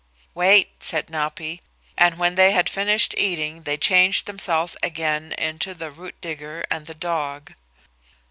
"Wait," said Napi; and when they had finished eating they changed themselves again into the root digger and the dog.